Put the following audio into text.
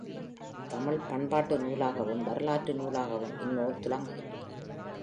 தமிழ்ப் பண்பாட்டு நூலாகவும் வரலாற்று நூலாகவும் இந்நூல் துலங்குகின்றது.